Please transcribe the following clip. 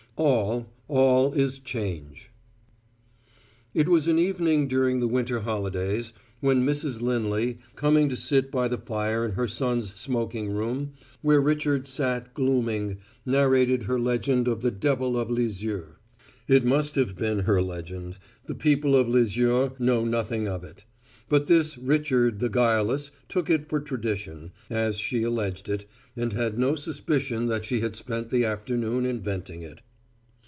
"All, all is change." It was an evening during the winter holidays when Mrs. Lindley, coming to sit by the fire in her son's smoking room, where Richard sat glooming, narrated her legend of the Devil of Lisieux. It must have been her legend: the people of Lisieux know nothing of it; but this Richard the Guileless took it for tradition, as she alleged it, and had no suspicion that she had spent the afternoon inventing it.